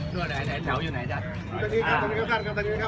สวัสดีครับนะครับ